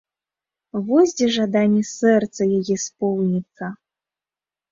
Вось дзе жаданне сэрца яе споўніцца!